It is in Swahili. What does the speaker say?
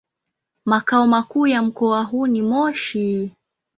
Makao makuu ya mkoa huu ni Moshi.